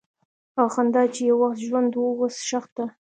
هغه خندا چې یو وخت ژوند وه، اوس ښخ ده.